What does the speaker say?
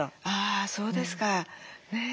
あそうですか。